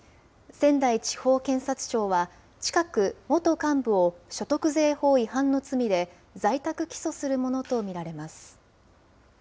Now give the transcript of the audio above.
仙台地方検察庁は、近く、元幹部を所得税法違反の罪で在宅起訴するものと見られます。